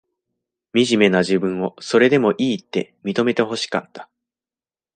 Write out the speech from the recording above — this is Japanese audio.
みじめな自分を、それでもいいって、認めてほしかった。